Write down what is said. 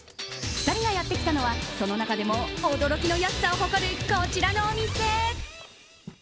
２人がやってきたのはその中でも驚きの安さを誇るこちらのお店。